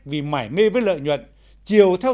vì mải mê với lợi nhuận chiều theo